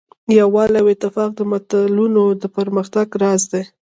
یووالی او اتفاق د ملتونو د پرمختګ راز دی.